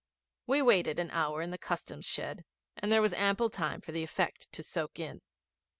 We waited an hour in the Customs shed, and there was ample time for the effect to soak in.